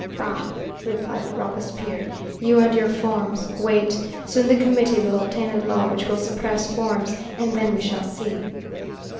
"Bah!" replied Robespierre, "you and your forms: wait; soon the Committee will obtain a law which will suppress forms, and then we shall see."